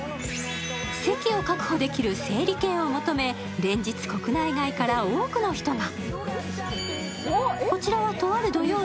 席を確保できる整理券を求め連日、国内外から多くの人が。